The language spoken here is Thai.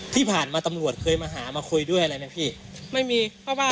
พี่ผ่านมาตำรวจเคยมาหามาคุยด้วยอะไรไหมพี่